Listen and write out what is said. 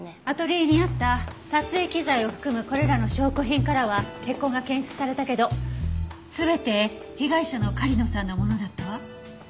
アトリエにあった撮影機材を含むこれらの証拠品からは血痕が検出されたけど全て被害者の狩野さんのものだったわ。